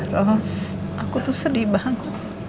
terus aku tuh sedih banget